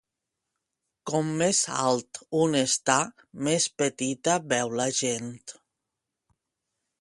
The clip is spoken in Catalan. Com més alt un està, més petita veu la gent.